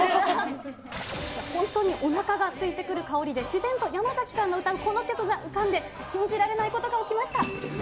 本当におなかがすいてくる香りで、自然と山崎さんの歌うこの曲が浮かんで、信じられないことが起きました。